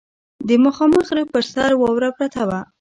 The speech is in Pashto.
د مخامخ غره پر سر واوره پرته وه.